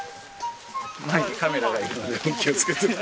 前にカメラがいるので気をつけて。